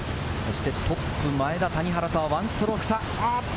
トップ・前田、谷原とは１ストローク差。